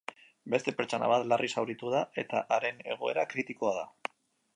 Beste pertsona bat larri zauritu da eta haren egoera kritikoa da.